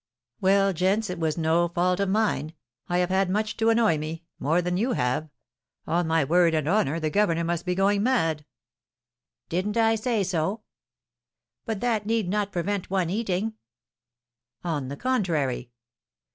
"Well, gents, it was no fault of mine. I have had much to annoy me, more than you have. On my word and honour, the governor must be going mad." "Didn't I say so?" "But that need not prevent one eating." "On the contrary."